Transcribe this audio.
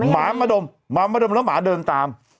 หมามาดมหมามาดมแล้วหมาเดินตาม